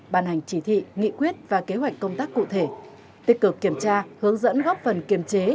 bàn hành chỉ thị nghị quyết và kế hoạch công tác cụ thể tích cực kiểm tra hướng dẫn góp phần kiềm chế